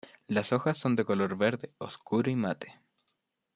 Las hojas son de color verde oscuro y mate.